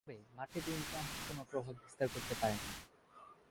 তবে, মাঠে তিনি তেমন কোন প্রভাব বিস্তার করতে পারেননি।